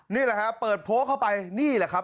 นี่แหละฮะเปิดโพลเข้าไปนี่แหละครับ